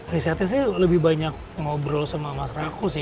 risetnya sih lebih banyak ngobrol sama mas rako sih